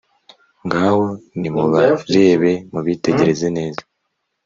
ngaho nimubarebe mubitegereze neza